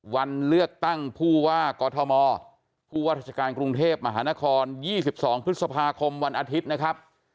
วันเลือกตั้งผู้ว่ากอทมผู้ว่าราชการกรุงเทพมหานคร๒๒พฤษภาคมวันอาทิตย์นะครับ